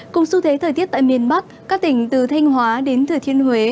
cùng xu thế thời tiết tại miền bắc các tỉnh từ thanh hóa đến thừa thiên huế